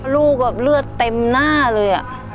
ลูกแบบเลือดเต็มหน้าเลย